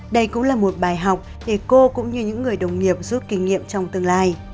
đây cũng là một bài học để cô cũng như những người đồng nghiệp rút kinh nghiệm trong tương lai